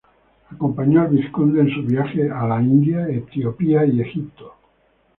Acompañó al vizconde en sus viajes a la India, Etiopía y Egipto.